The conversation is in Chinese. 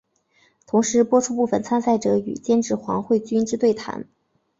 同时播出部分参赛者与监制黄慧君之对谈。